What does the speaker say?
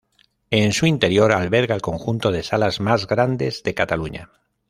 En su interior alberga el conjunto de salas más grandes de Cataluña.